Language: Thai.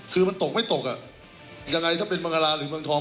คือมันตกไม่ตกอ่ะยังไงถ้าเป็นมังกราหรือเมืองทอง